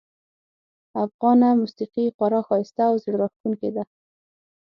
افغانه موسیقي خورا ښایسته او زړه راښکونکې ده